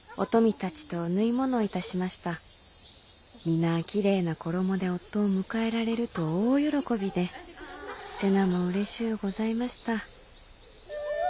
皆きれいな衣で夫を迎えられると大喜びで瀬名もうれしゅうございました」。